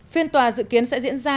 phiên tòa dự kiến sẽ diễn ra